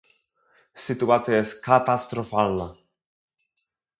Sytuacja jest katastrofalna